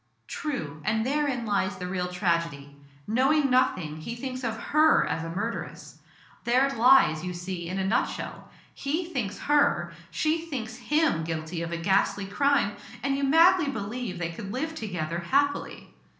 " True ; and therein lies the real tragedy. Knowing nothing, he thinks of her as a murderess. There it lies, you see, in a nutshell. ATif thinks A^r, she thinks him guilty of a ghastly crime, and you madly believe they could live together happily."